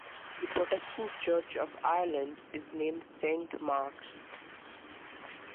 The Protestant Church of Ireland is named Saint Mark's.